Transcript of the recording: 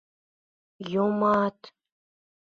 Йомат.